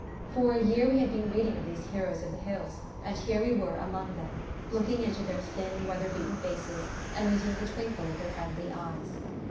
For a year we had been reading of these heroes of the hills, and here we were among them, looking into their thin weather beaten faces and meeting the twinkle of their friendly eyes.